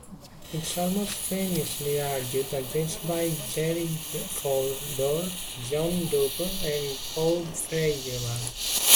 It is most famously argued against by Jerry Fodor, John Dupre and Paul Feyerabend.